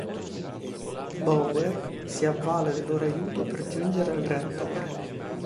Bower si avvale del loro aiuto per giungere al reattore.